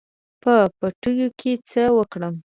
په پټیو کې څه وکړم.